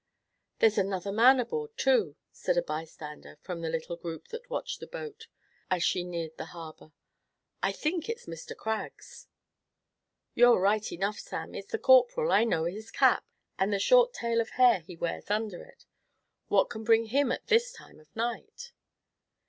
"There's another man aboard, too," said a bystander from the little group that watched the boat, as she neared the harbor; "I think it's Mr. Craggs." "You 're right enough, Sam, it's the Corporal; I know his cap, and the short tail of hair he wears under it. What can bring him at this time of night?"